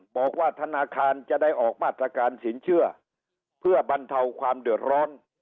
บอกว่าธนาคารจะได้ออกมาตรการสินเชื่อเพื่อบรรเทาความเดือดร้อน